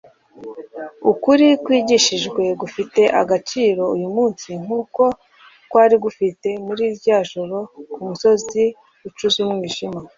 Ukuri kwigishijwe gufite agaciro uyu munsi nkuko kwari gufite muri rya joro ku musozi ucuze umwijima